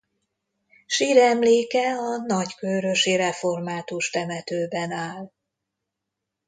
Síremléke a nagykőrösi református temetőben áll.